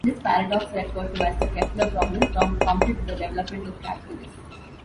This paradox, referred to as the "Kepler problem," prompted the development of calculus.